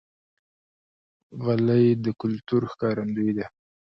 غلۍ د کلتور ښکارندوی ده.